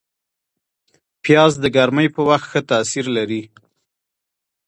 پیاز د ګرمۍ په وخت ښه تاثیر لري